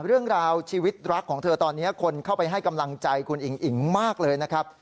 เรื่องราวชีวิตรักของเธอตอนนี้คนเข้าไปให้กำลังใจคุณอิ๋งอิ๋งมากเลยนะครับ